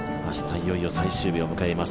いよいよ最終日を迎えます。